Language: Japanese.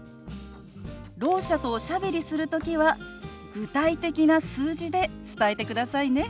ろう者とおしゃべりする時は具体的な数字で伝えてくださいね。